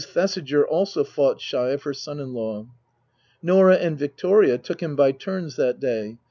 Thesiger also fought shy of her son in law. Norah and Victoria took him by turns that day.